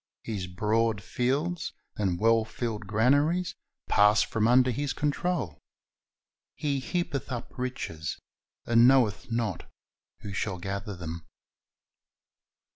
His broad fields and well filled granaries pass from under his control. "He heapeth up riches, and knoweth not who shall gather them."